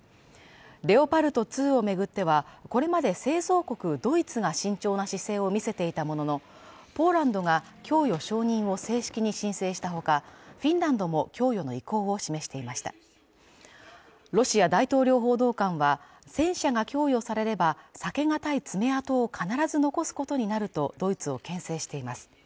レオパルト２を巡ってはこれまで製造国ドイツが慎重な姿勢を見せていたもののポーランドが供与承認を正式に申請したほかフィンランドも供与の意向を示していましたロシア大統領報道官は戦車が供与されれば避けがたい爪痕を必ず残すことになるとドイツをけん制しています